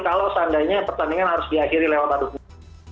kalau seandainya pertandingan harus diakhiri lewat adu mulut